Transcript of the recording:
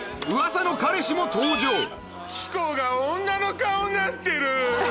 希子が女の顔になってる！